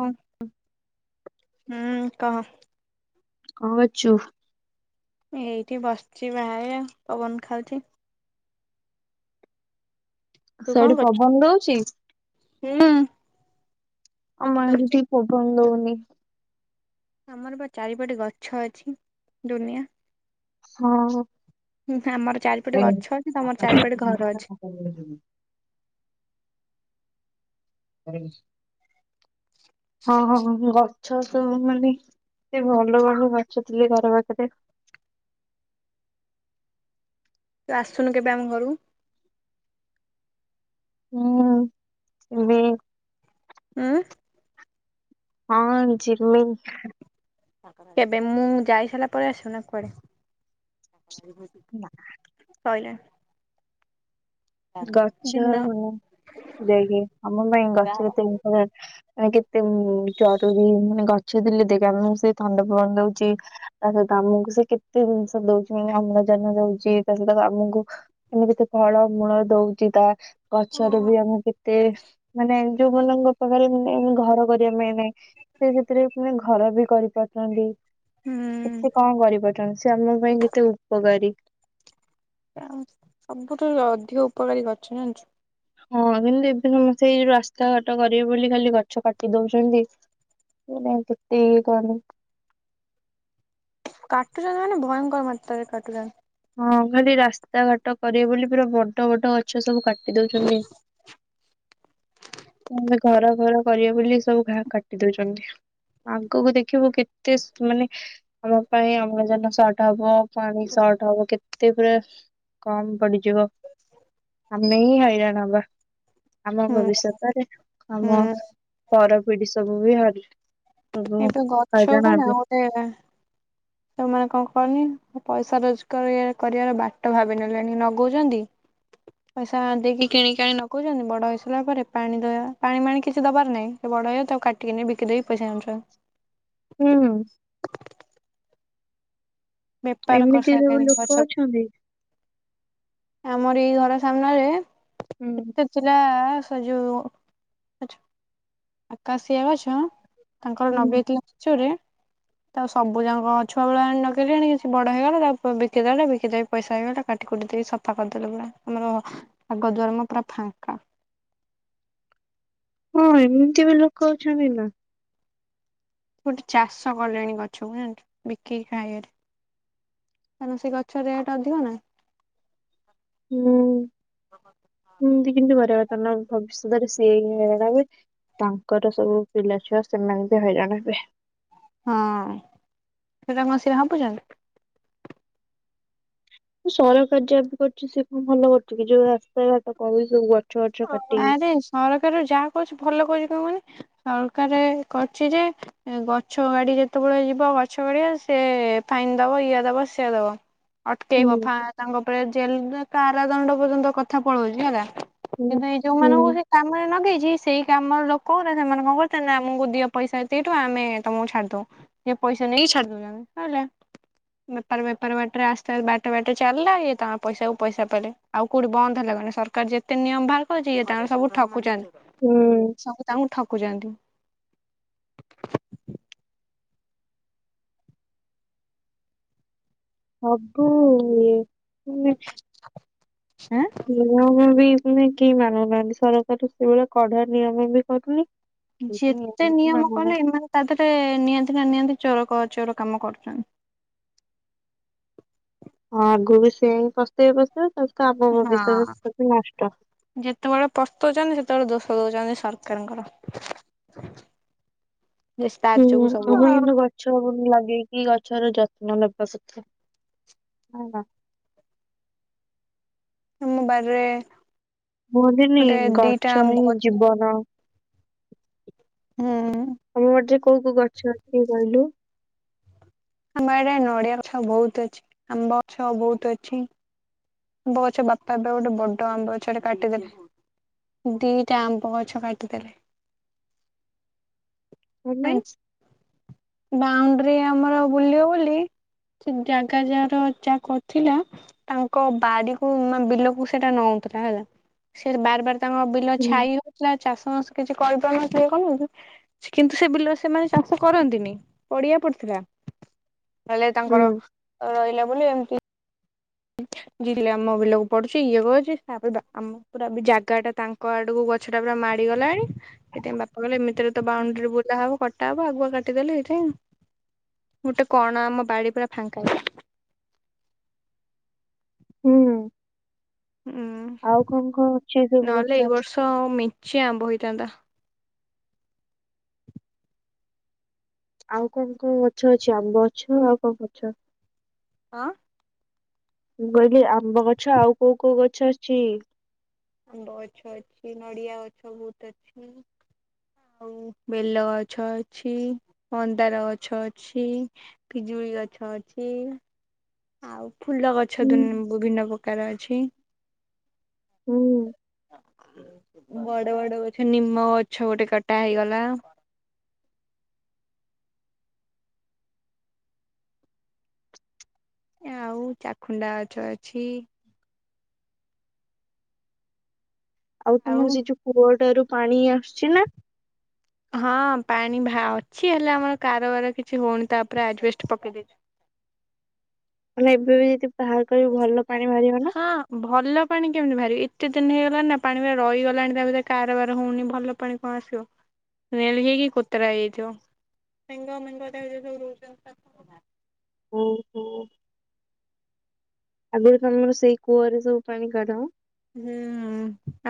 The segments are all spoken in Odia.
ହଁ। ହୁଁ କହ? କଣ କରୁଛୁ? ଏଇଠି ବସିଛି ବାହାରେ ଆଉ ପବନ ଖାଉଛି। ତୁ କଣ ସେଇଠି କରୁଛୁ? ପବନ ଦଉଛି? ହୁଁ ଆମ ଇଆଡ଼େ ଦଉଛି ଟିକେ ପବନ ଦଉନି [unintelligible] ଆମର ବା ଚାରିପଟେ ଗଛ ଅଛି ଦୁନିଆ ହଁ। ହୁଁ ଆମର ଚାରିପଟେ ଗଛ ଅଛି ତମର ଚାରିପଟେ ଘର ଅଛି। [inaudible] ଆରେ ହଁ ହଁ ହ ଗାଁ। ଛ ସେମାନେ ଏ ଭଲ [unintelligible] ଘର ପାଖରେ ତୁ ଆସୁନୁ କେବେ ଆମ ଘରକୁ। ହୁଁ [unintelligible] ହୁଁ ହଁ ଯିବି। କେବେ ମୁଁ ଯାଇ ସାରିଲା ପରେ ଆସୁନା କୁଆଡେ? ଖାଲି [unintelligible] ଗଛ [unintelligible] ଗଛ ଯେତ ମାନେ କେତେ ଜରୁରୀ ମାନେ ଗଛ ଥିଲେ ଦେଖ ଆମକୁ ସେ ଥଣ୍ଡା ପବଣ ଦଉଛି ତା ସହିତ ଆମକୁ ସେ କେତେ ଜିନିଷ ଦଉଛି ମାନେ ଅମ୍ଳଜାନ ଦଉଛି ତା ସହିତ ଆମକୁ ଏମତି କେତେ ଫଳ ମୂଳ ଦଉଛି ତା ଗଛରେ ବି ଆମେ କେତେ ମାନେ ଯୋଉମାନଙ୍କ ପାଖରେ ମାନେ ଘର କରିବା ପାଇଁ ସେ ସେଥିରେ ମାନେ ଘର ବି କରିପାରୁଛନ୍ତି। ହୁଁ କେତେ କଣ କରି [unintelligible] ସେ ଆମ ପାଇଁ କେତେ ଉପକାରୀ ସବୁଠାରୁ ଅଧିକ ଉପକାରୀ ଗଛ ଜାଣିଛୁ? ହଁ କିନ୍ତୁ ଏବେ ସମସ୍ତେ ଏଇ ଯୋଉ ରାସ୍ତାଘାଟ କରିବେ ବୋଲି ଖାଲି ଗଛ କାଟି ଦଉଛନ୍ତି। କେତେ [unintelligible] କାଟୁଛନ୍ତି ମାନେ ଭୟଙ୍କର ମାତ୍ରାରେ କାଟୁଛନ୍ତି। ହଁ ଖାଲି ରାସ୍ତାଘାଟ କରିବେ ବୋଲି ପୁରା ବଡ ବଡ ଗଛ ସବୁ କାଟି ଦଉଛନ୍ତି। ଘର ଘର କରିବେ ବୋଲି ସବୁ କାଟି ଦଉଛନ୍ତି ଆଗକୁ ଦେଖିବୁ କେତେ ମାନେ ଆମ ପାଇଁ ଅମ୍ଳଜାନ ସର୍ଟ ହବ ପାଣି ସଟ୍ ହବ କେତେ ପୁରା କମ୍ ପଡିଯିବ ଆମେ ହିଁ ହଇରାଣ ହବା। ଆମ ହୁଁ ଭବିଷ୍ୟତରେ, ହୁଁ ଆମ ପର ପିଢ଼ୀ ସବୁ ବି ହା ଏଇତ ଗଛ [unintelligible] ସେମାନେ କଣ କରନି ପଇସା ରୋଜଗାର କରିବାର ବାଟ ଭାବିିନେଲେଣି ନଗଉଛନ୍ତି ପଇସା ଦେଇକି କିଣିକଣି ନଗଉଛନ୍ତି ବଡ ହେଇସାରିଲା ପରେ ପାଣି ଦବା ପାଣି ମାଣି କିଛି ଦବାର ନାହିଁ ସେ ବଡ ହେଇଆ ତାକୁ କାଟିକିନି ବିକି ଦେଇକି ପଇସା ଆଣୁଛନ୍ତି। ହୁଁ ବେପାର ଏମିତି ସବୁ କରିସାରିଲେଣି ଲୋକ ଗଛକୁ ଅଛନ୍ତି। ଆମର ଏଇ ଘର ସମ୍ନାରେ। ହୁଁ ଏତେ ଥିଲା। ସଜଉ ଲ ଆକାଶୀଆ ବା ଛୁଆଁ। ତାଙ୍କର ହୁଁ ନବେଇ କ୍ଳଚରେ। ତାଉ ସବୁ ଯାକ ଛୁଆ ବେଳେ ଆଣି ନକଲି ଆଣି କିଛି ବଡ ହେଇଗଲା ତା ବିକିଦେଲେ ବିକି ଦେଇକି ପଇସା ହେଇଗଲା କାଟିକୁଟି ଦେଇ ସ ଫାବକରିଦେଲେ ପୁରା ଆମର ଆଗ ଦଆର ମୁଁହ ପୁରା ଫାଙ୍କା। ହଁ ଏମିତି ବି ଲୋକ ଅଛନ୍ତି ନା। ଗୋଟେ ଚାଷ କଲେଣି ଗଛକୁ ଜାଣିଚୁ ବିକିକି ଖାଇଆରେ କାରଣ ସେ ଗଛ ରେଟ ଅଧିକ ନା। ହୁଁ ହୁଁ ବି କିନ୍ତୁ ପରିବର୍ତ୍ତନ ଭବିଷ୍ୟତରେ ସିଏ ହିଁ ହଇରାଣ ହେବେ ତାଙ୍କର ସବୁ ପିଲା ଛୁଆ ସେମାନେ ବି ହଇରାଣ ହେବେ। ହଁ ସେଟା କଣ ସିଏ ଭାବୁଛନ୍ତି। ସରକାର ଯାହା ବି କରୁଛି ସେ କଣ ଭଲ କରୁଛି କି ଯୋଉ ରାସ୍ତା ଘାଟ କରୁଚି ସବୁ ବର ଆରେ ସରକାର ଯାହା କହୁଛି ଭଲ କହ ନି ସରକାର କରିଛି ଯେ ଗଛ ଗାଡି ଯେତେବେଳେ ଯିବ ଗଛ ଗାଡିଆ ସେ ଫାଇନ ଦବ ଇଏ ଦବ ସିଏ ଦବ। ହୁଁ ଅଟକେଇବ ଫା ତାଙ୍କ ଉପରେ ଜେଲ ନା। କାରା ଦଣ୍ଡ ପର୍ଯ୍ୟନ୍ତ କଥା ପଳଉଛି ହେଲା। ହୁଁ କିନ୍ତୁ ଏଇ ହୁଁ ଯୋଉମାନଙ୍କୁ ସେ କାମରେ ନଗେଇଛି ସେଇ ଆମର ଲୋକ ହେରା ସେମାନେ କଣ କରୁଛନ୍ତି ନା ଆମକୁ ଦିଅ ପଇସା ଏତିକି ଟଙ୍କା ଆମେ ତମକୁ ଛାଡି ଦଉ ପଇସା ନେଇକି ଛାଡି ଦଉଛନ୍ତିି ସଇଲା ବେପାର ବେପାର ବାଟରେ ଆସ୍ତେ ଆ ବାଟେ ବାଟେ ଚାଲିଲା ଇଏ ତାଙ୍କ ପଇସାକୁ ପଇସା ପାଇଲେ ଆଉ କୋଉଠି ବନ୍ଦ ହେଲା କ ସରକାର ଯେ ଯେତେ ନିୟମ ବାହାର କରଛି ଇଏ ତାଙ୍କର ସବୁ ଠକୁଛନ୍ତି। ହୁଁ ସବୁ ତାଙ୍କୁ ଠକ। କୁ ଛନ୍ତି। ସବୁ ଇଏ। [unintelligible] ଆଁ ତମେ କେହି ମାନୁନାହାନ୍ତି ସରକାର ସେଇଭଳି କଢା ନିୟମ ବି କରୁନି। କେହି ଯେତେ ବି ନିୟମ କଲେ ମାନୁନାହାନ୍ତି ଏମାନେ ତା ଦେହରେ ନିଅନ୍ତି ନା ନିଅନ୍ତି ଚୋର କ ଚୋର କାମ କରୁଛନ୍ତି। ହଁ ଆଗୁକୁ ବି ସେଇ ପସ୍ତେଇ ସେ। ହଁ ଯେତେବେଳେ ପସ୍ତଉଛନ୍ତି ସେତେବେଳେ ଦୋଷ। ଦୋଷ ଦଉଛନ୍ତି ସରକାର ଙ୍କର। ହୁଁ ଆମ ଇନୁ ଗଛ ପୁଣି ଲଗେଇକି ଗଛର ଯତ ନବା ସଥା ହଁ ନା। ତମ ବାରି ରେ। କୁହନ୍ତିନି ଗଛ ହିଁ ଗଛ ଜୀବନ। ହୁଁ। କଉ କଉ ଗଛ ଅଛି କହିଲୁ। ଆମ ଆଡେ ନଡ଼ିଆ ଗଛ ବହୁତ ଅଛି ଆମ୍ବ ଗଛ ବହୁତ ଅଛି। ଆମ୍ବ ଗଛ ବାପା ଏବେ ଗୋଟେ ବଡ ଆମ୍ବ ଗଛଟେ କାଟିଦେଲେ ଦିଟା ଆମ୍ବ ଗଛ କାଟିଦେଲେ। କଣପାଇଁ। ବାଉଣ୍ଡରି ଆମର ବୁଲିବ ବୋଲି ସେ ଜାଗା ଯାହାର ଯାକଥିଲା ତାଙ୍କୁ ବାଡିକୁ ବିଲକୁ ସେଇଟା ନଉଥିଲା ହେଲା ସେ ବାର ବାର ତାଙ୍କ ବିଲ ହୁଁ ଛାଇ ହଉଥିଲା ଚାଷ ବାସ କିଛି କରିପାରୁନଥିଲେ କଣ କିନ୍ତୁ ସେ ବିଲରେ ସେମାନେ ଚାଷ କରନ୍ତିନି ପଡିଆ ପଡିଥିଲା ହେଲେ ତାଙ୍କର ହୁଁ ରହିଲା ବୋଲି ଏମ୍ ହ [inaudible] ଯିଲେ ଆମ ବିଲକୁ ପଡୁଛି ଇଏ କରଛି ତାପରେ ଆମ ପୁରା ବି ଜାଗା ଟା ତାଙ୍କ ଆଡକୁ ଗଛ ଟା ପୁରା ମାଡିଗଲାଣି ସେଥିପାଇଁ ବାପା କହଲେ ଏମିତି ଏରେ ତ ବାଉଣ୍ଡରୀ ବୁଲାହବ ଟାବ ଆଗୁଆ କାଟିଦେଲେ ହେଥିପାଇଁ ଆଉ ଗୋଟେ କଣ ଆମ ବାଡି ପୁରା ଫାଙ୍କା ହୁଁ, ହୁଁ ଆଉ କଣ କଣ ଅଛି ଏ ସବୁ ନହେଲେ ଏଇ ଗଛ ବର୍ଷ ମେଞ୍ଚେ ଆମ୍ବ ହେଇଥାନ୍ତା। ଆଉ କଣ କଣ ଗଛ ଅଛି ଆମ୍ବ ଗଛ ଆଉ କଣ ଗଛ? ହଁ, ମୁଁ କହିଲି ଆମ୍ବ ଗଛ ଆଉ କୋଉ କୋଉ ଗଛ ଆସିଛି? ଆମ୍ବ ଗଛ ଅଛି ନଡିଆ ଗଛ ବହୁତ ଅଛି ଆଉ ବେଲ ଗଛ ଅଛି ମନ୍ଦାର ଗଛ ଅଛି ପିଜୁଳି ଗଛ ଅଛି। ହଉ। ଫୁଲ ଗଛ ହୁଁ। ବିଭିନ୍ନ ପ୍ରକାର ଅଛି। ହୁଁ। ବଡ ବଡ ଗଛ ନିମ ଗଛ ଗୋଟେ କଟା ହେଇଗଲା। ଆଉ ଚାଖୁଣ୍ଡା ଗଛ ଅଛି। ଆଉ ତମ ଯ ଯୋଉ ପୁଅଟ ର ପାଣିଆ ହଁ ପ ଅଛି ହେଲେ ଆମର କାରବାର କିଛି ହଉନି ତାପରେ ଆଡଷ୍ଟ ପକେଇ ଦେଇଛ। ଏବେ ମାନେ ବି ଯଦି ବାହାର କରିବୁ ଭଲ ପାଣି ବାହାରିବ ନା? ହଁ ଭଲ ପାଣି କେମିତି ବାହାରିବି। ଏତେ ଦିନ ହେଇଗଲାଣି ନା ପାଣି ରହିଗଲାଣି ତା ଭରେ କାରବାର ହଉନି ଭଲ ପାଣି କଣ ଆସିବ ନେ ହେଇକି କୋତରା ହେଇଯାଇଥିବ [unintelligible] ଓହୋ ଆଗରୁ ତମର ସେଇ କୂଅରେ ସବୁ ପାଣି କାଢ ହୁଁ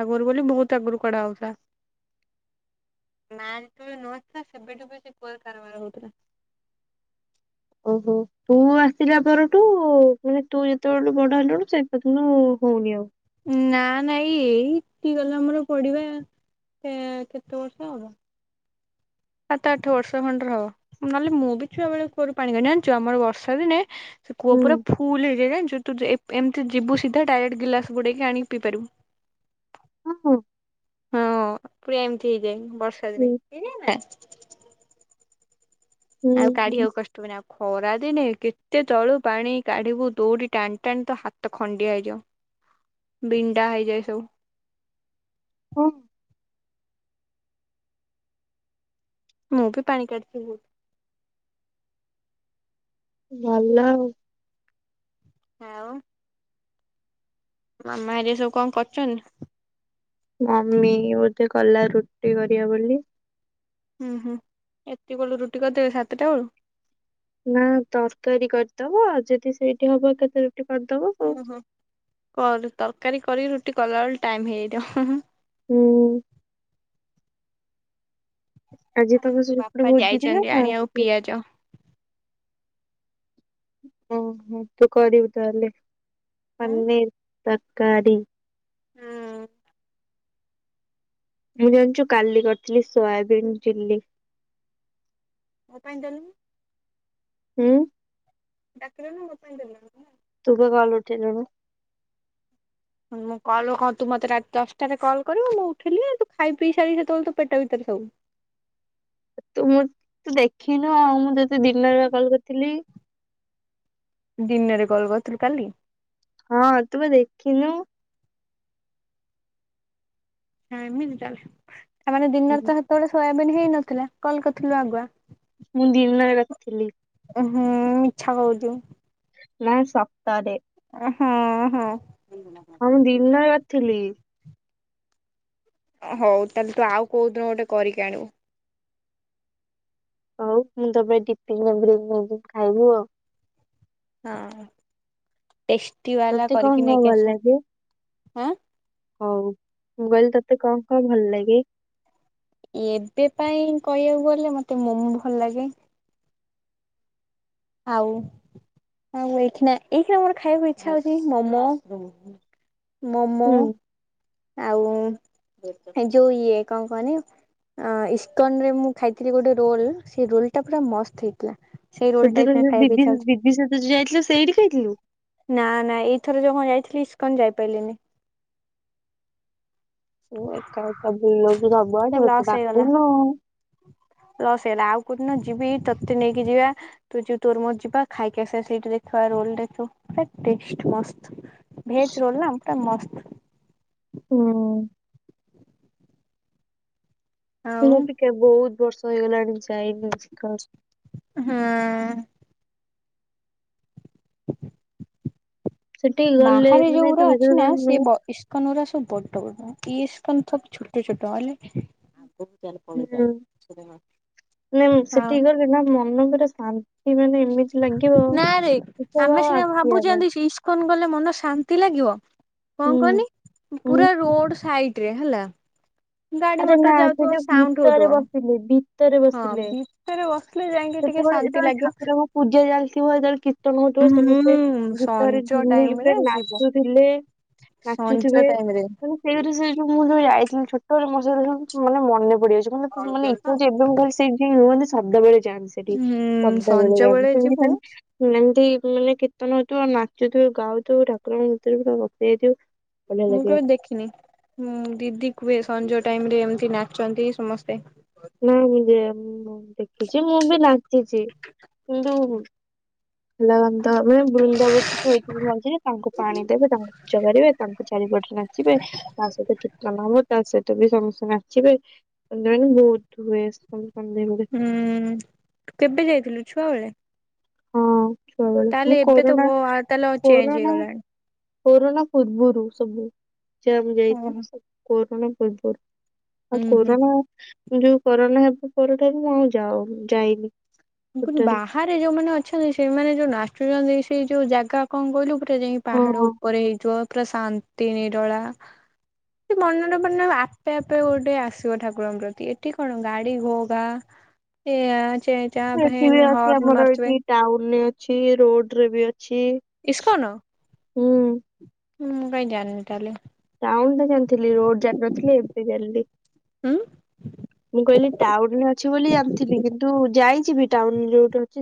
ଆଗରୁ ବୋଲି ବହୁତ ଆଗରୁ କଡା ହଉଥିଲା ମା ଯେେବେ ନଥିଲା ସେବେଠ କୁ କାରବାର ହଉଥିଲା। ଓହୋ ତୁ ଆସିଲା ପରଠୁ ମାନେ ତୁ ଯେତେବେଳଠୁ ବଡ ହେଲୁଣିୁ ସେ ପଥଣୁ ହଉନି ଆଉ ନା ନାଇଁ ଏଇ କି ଗଲେ ଆମର ପଡିବା କେତେ ବର୍ଷ ହବ। ସାତ ଆଠ ବର୍ଷ ଖଣ୍ଡରେ ହବ ନହେଲେ ମୁଁ ବି ଛୁଆ ବେଳ କୁଅରୁ ପାଣି କାଢ଼େ ଜାଣିଛୁ ଆମର ବର୍ଷା ଦିନେ ସେ କୂଅ ହୁଁ ପୁରା ଫୁଲ ହେଇଯାଏ ଜାଣିଛୁ ଏମିତି ଯିବୁ ସିଧା ଡାଏଟ ଗିଲସ ବୁଡେଇକି ଆଣିି ପିଇ ପାରିବୁ। ହ ହୋ। ହଁ ପୁରା ଏମିତି ହେଇଯାଏ। ବର୍ଷା ଦିନେ ହୁଁ [unintelligible] ଆଉ ହୁଁ, କାଢିବାକୁ କଷ୍ଟ ହନି ଆଉ ଖରା ଦିନେ। କେତେ ତଳୁ ପାଣି କାଢିବୁ ଦୌଡି ଟାଣି ଟାଣି ତ ହାତ ଖଣ୍ଡିଆ ହେଇଯାଉ ବିଣ୍ଡା ହେଇଯାଏ ସବୁ। ହଁ। ମୁଁ ବି ପାଣି କାଢିଛି ବହୁତ। ଭଲ ଆଉ। ଆଉ। ମାମା ହେରିକା ସବୁ କଣ କରୁଛନ? ମମି ବୋଧେ ଗଲା ରୁଟି କରିବା ବୋଲି। ହୁଁ -ହୁଁ ଏତିକି ବଳୁ ରୁଟି କରିଦେବେ ସାତଟା ବେଳୁ। ନା ତରକାରୀ କରିଦବ ଆଉ ଯଦି ସେଇଠି ହବ କେତେ। ଓୁଁ ହୋଁ କର ତରକାରୀ କରି ରୁ କଲ ଟାଇମ ହେଇ ଦିଅ- ହୁଁ। ଆଜି ତମ ହଁ ସେଟଟ ବାପା ଭୋଟ ଦଦ ନା ଯାଇଛନ୍ତି ନା ଆଣିବାକୁ [unintelligible] ପିଆଜ। ହଁ ମ କରିବୁ ତାହେଲେ ହୁଁ ପନୀର୍ ତର୍ -କାରୀ। ଜାଣିଛୁ କାଲି କରିଥିଲି ସୋୟାବିନ୍ ଚିଲ୍ଲି। ମୋ ପାଇଁ ଦେଲୁନି [unintelligible] ଉଁ ଡାକିଲନି ମୋ ପାଇଁ ଦେଲନି ନା। ତୁ ପା କଲ୍ ଉଠେଇଲୁନି। ମୁଁ କଲ କଁ ତୁ ମତେ ରାତି ଦଶଟାରେ କଲ୍ କରିବୁ ମୁଁ ଉଠିଲି ତୁ ଖାଇପିଇ ସାରି ସେତେବେଳେ ତୋ ପେଟ ଭିତରେ ସବୁ। ତୁ ମୁଁ ତୁ ଦେଖିନୁ ଆଉ ମୋ ମୁଁ ତତେ ଦିନରେ ପା କଲ୍ କରିଥିଲି। ଦିନରେ କଲ୍ କରିଥିଲୁ କାଲି? ହଁ ତୁ ପା ଦେଖିନୁ। ନାଇଁ [unintelligible] ତାଲେ। ଆମର ଦିନରେ ହେତୋଳେ ଶୋୟା ହେଇନଥିଲା କଲ କରିଥିଲୁ ଆଗୁଆ‌। ମୁଁ ଦିନରେ ରଖିଥିଲି। ହୁଁ ମିଛ କୋଉଚୁ। ନା ସତରେ। ହଁ ହଁ। ହଁ ମୁଁ ଦିନରେ ନଥିଲି। ହୋଉ ତାହେଲେ ତୁ ଆଉ କୋଉଦିନ ଗୋଟେ କରିକି ଆଣିବୁ। ହୋଉ ମୁଁ ତୋ ପାଇଁ ଟିପିନରେ ପୁରେଇକି ନେଇଯିବି ତୁ ଖାଇବୁ ଆଉ। ହଁ। ଟେଷ୍ଟି ବାଲା ତତେ କଣ କରିକି ନେଇକି ଆସ। ହଁ। ହୋଉ ମୁଁ କହିଲି ତତେ କଣ କଣ ଭଲଲାଗେ? ଏବେ ପାଇଁ କହିବାକୁ ଗଲେ ମତେ ମୋମୋ ଭଲ ଲାଗେ। ଆଉ ଆଉ ଏଇ ଖୀଣା ଏଇ ଖୀଣା ମୋର ଖାଇବାକୁ ଇଚ୍ଛା ହୋଉଚି ମୋମୋ। ମୋମୋ। ହୁଁ ଆଉ ଯୋଉ ଇଏ କଣ କହନି ଆଁ ଇଷ୍ଟନରେ ମୁଁ ଖାଇଥିଲି ଗୋଟେ ରୋଲ ସେ ରୋଲଟା ପୁରା ମସ୍ତ ହେଇଥିଲା। ସେଇ ରୋଲ ସେ ଟା ଦିନ ଏଇଖିଣା [unintelligible] ଖାଇବାକୁ ଇଚ୍ଛା ବିବିନ ହଉଛି। ବିବି ସହିତ ଯୋଉ ଯାଇଥିଲୁ ସେଇଠି ଖାଇଥିଲୁ? ନା ନା ଏଇଥର ଯୋଉମ ଯାଇଥିଲି ଇସ୍କନ ଯାଇପାଇଲିନି। ଓ ଏକା ଏକା ବୁଲି ଯାଉଚୁ ସବୁଆଡେ ମତେ ଲସ୍ ହେଇଗଲା। ଡାକୁନ। ଲସ୍ ହେଇଗଲା ଆଉ କୋଉଦିନ ଯିବି ତତେ ନେଇକି ଯିବା ତୁ ଯିବୁ ତୋର ମୋର ଯିବା ଖାଇକି ଆସିବା ସେଇଠୁ ଦେଖିବା ରୋଲ ଦେଖିବୁ ପୁରା ଟେଷ୍ଟ ମସ୍ତ। ଭେଜ ରୋଲ ନା ପୁରା ମସ୍ତ। ନାଇଁ ଆଉ ମୁଁ ଟିକେ ବୋହୁତ ବର୍ଷ ହେଇଗଲଣି ଯାଇନି। ହଁ। ସେଠି ଗଲେ ବାହାରେ ମାନେ ଯୋଉଗୁଡା ଅଛିନା ତୁ ସିଏ ବ ଇସ୍କନଉରା ସବୁ ବଡ ବଡ। ଇସ୍କନ ସବୁ ଛୋଟ ଛୋଟ ହେଲେ ହୁଁ ମାନେ ଆଉ ସେଠିକି ଗଲେ ନା ମନ ପରା ଶ ମାନେ ଏମିତି ଲାଗିବ ନାରେ ଏସବୁ ଆଉ ଆସିବା ପାଇଁ କଲେ ମନ ଶାନ୍ତି ଲାଗିବ। ହୁଁ କଣ କହନି ହୁଁ ପୁରା ରୋଡ ସାଇଡ ରେ ହେଲା। ଗାଡି ଆରେ ମଟର ନା ସେ ଯାଉଥିବ ଯୋଉ ସାଉଣ୍ଡ ହଉଥିବ। ଭିତରେ ବସିଲେ ଭିତରେ ହଁ ବସିଲେ ଭିତରେ ବସିଲେ ଯାଇକି ଟିକେ ସେତେବେଳେ ଶାନ୍ତି ଯେତେବେଳେ ଲାଗିବ ଠାକୁରଙ୍କ ପୂଜା ଚାଲିଥିବ ସେତେବେଳେ କୀର୍ତ୍ତନ ହଉଥିବ ସମସ୍ତେ ହୁଁ ଭୀତରେ ସଞ୍ଜ ଟାଇମ ଝୁମିକି ପୁର ରେ ଯିବୁ ନାଚୁଥିଲେ ସଞ୍ଜ ନାଚୁଥିବେ ଟାଇମ ରେ ସେଇ ସେ ଯୋଉ ମୁଁ ଯୋଉ ଯାଇ [unintelligible] ମ ମାନେ ମନେ ପାଉଛି ମାନେ ମାନେ ଇଛାଛି ସେୁ ଶବ୍ଦବେେଳେ ଆନ୍ତି ସେଠି ହୁଁ ଶବ୍ଦ ସଞ୍ଜ ବଳେ ବେଳେ ଯାନ୍ତି ଯିବୁ ସେମତି ଏମତି େ କୀର୍ତନ ହଉଥିବ ଆଉ ନାଚୁଥିବ ଗାଉଥିବ ଠାରଣୁ ପୁରା ରେଇଇଥିବୁ। ମୁଁ କେବେ ଦେଖିନିଁ ଦିଦି କୁହେ ସଞ୍ଜ ଟାଇମ ରେ ଏମତି ନାଚନ୍ତି ସମସ୍ତେ ନାାଇଁ ମୁଁ ଦେଖିଛି ମୁଁ ବି ଲାଗିଛି କିନ୍ତୁ। ହେଲା ଆେ ବୃନ୍ଦାବ କିଛି ଭ ତାଙ୍କୁ ପାଣି ଦେବେ ତାଙ୍କୁ ପୂଜା କରିବେ ତାଙ୍କୁ ଚାରିପଟେ ନାଚିବେ ତା ସହିତ କୀର୍ତନାବ ତା ସହିତ ବି ସଙ୍ଗେ ସଙ୍ଗେ ଆସିବୋନ ବହୁ। ୁଏ ଆସ ହୁଁୁ କେବେ ଯାଇଥିଲୁ। ଛୁଆ ବ ସ ମୁଁ କରରନା ତାହେଲେ ଚେଞ୍ଜ କରରନା ହେଇଗଲାଣି। [unintelligible] କରୋରୋନା ପୂର୍ବରୁ ସବୁ ଜମ ଓହୋ। ଯାଇଥିଲି [unintelligible] ଣ ଭୁଲପୁୁର [unintelligible] ଆ ଉୁଁ ହୁଁ। କରରୋନା [unintelligible] ଯୋଉ କରୋନା ହେବା ପରଠାରୁ ମୁଁ ଆଉ ଯାଉ ଯାଇନି। କ ଟୋଟାଲି। ବାହାରେ ଯୋଉମାନେ ଅ ଅଛନ୍ତି ସେମାନେ ଯୋଉ ନାଷ୍ଟଛନ୍ତି ସେଇ ଯୋଉ ଜାଗା କଣ କହିଲୁ ରେ ଯାଇ ପାହାଡ ଓହୋ ଉପରେ ହେଇଯିବ। ପୁରା ଶାନ୍ତି ନିରଳା ସେ ମନରେ ମନ ଆପେ ଆପେ ଗୋଟେ ଆସିବ ଠାକୁରଙ୍କ ପ୍ରତି ଏଠି କଣ ଗାଡି ଘୋଗା ଏଠି ବି ଅଛି ଆମର ଏଠି ଟାଉନରେ ଅଛି, ରୋଡରେ ବି ଅଛି,। ଛି। ହଁ। ମୁଁ ମୁଁ କ ଜାିନି ତାହେଲେ। ଟାଓନ ଟା ଜାଣିଥିଲି ରୋଡ ଜାନଥିଲି ଏବେ ଜାଲି। ହୁଁ। ମୁଁ କହିଲି ଟାଉଡଣ ଅଛି ବୋଲି ଜାଣିଥିଲି କିନ୍ତୁ ଯାଇ। ଟାଉନ ଯୋଉଟ ଅ [unintelligible]